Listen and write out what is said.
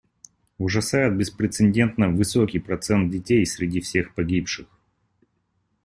Ужасает беспрецедентно высокий процент детей среди всех погибших.